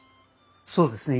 そうですね。